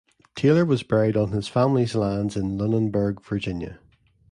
Taylor was buried on his family's land in Lunenburg, Virginia.